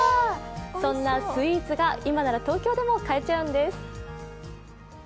そんなスイーツが今なら東京でも買えちゃうんです。